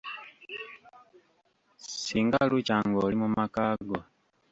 Singa lukya ng'oli mu maka go.